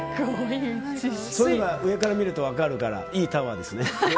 そういうのが上から見ると分かるからいいタワーですね。